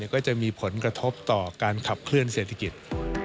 ก็จะมีผลกระทบต่อการขับเคลื่อนเศรษฐกิจ